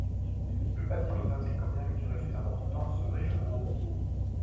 Le bâtiment est inscrit comme bien culturel suisse d'importance régionale.